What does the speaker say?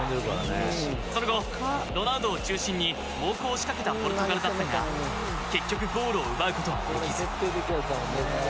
その後、ロナウドを中心に猛攻を仕掛けたポルトガルだったが結局ゴールを奪うことはできず。